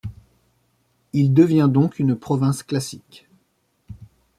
Il devient donc une province classique.